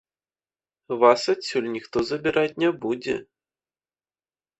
Вас адсюль ніхто забіраць не будзе.